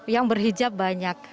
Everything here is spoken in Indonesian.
yang berhijab banyak